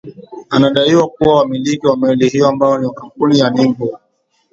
anadaiwa kuwa wamiliki wa meli hiyo ambao ni wa kampuni ya ning bo